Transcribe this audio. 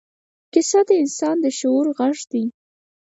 کیسه د انسان د شعور غږ دی.